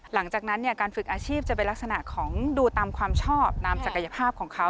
หลังจากนั้นเนี่ยการฝึกอาชีพจะเป็นลักษณะของดูตามความชอบตามศักยภาพของเขา